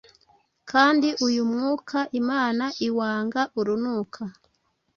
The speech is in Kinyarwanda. kandi uyu mwuka Imana iwanga urunuka